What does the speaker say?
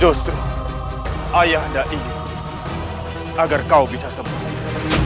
justru ayah anda ingin agar kau bisa sembuh